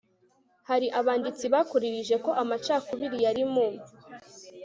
hari abanditsi bakuririje ko amacakubiri yari mu